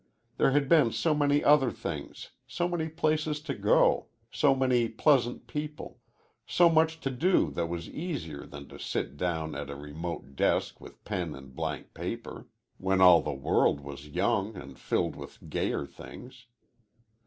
There had been so many other things so many places to go so many pleasant people so much to do that was easier than to sit down at a remote desk with pen and blank paper, when all the world was young and filled with gayer things.